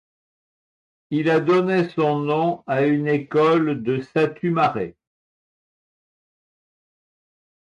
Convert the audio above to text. Il a donné son nom à une école de Satu Mare.